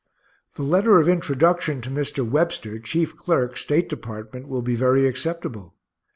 The letter of introduction to Mr. Webster, chief clerk, State department, will be very acceptable.